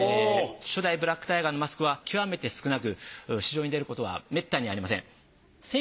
初代ブラック・タイガーのマスクは極めて少なく市場に出ることはめったにありません。